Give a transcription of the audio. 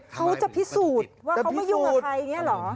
เขาจะพิสูจน์ว่าเขาไม่ยุ่งกับใครอย่างนี้เหรอ